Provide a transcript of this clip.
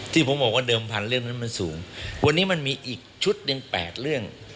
ที่ผมบอกว่าเดิมพันธุ์เรื่องนั้นมันสูงวันนี้มันมีอีกชุดหนึ่งแปดเรื่อง